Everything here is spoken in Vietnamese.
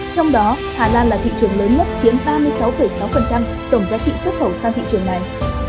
trong đó hà lan là thị trường lớn nhất chiếm ba mươi sáu sáu tổng giá trị xuất khẩu sang thị trường này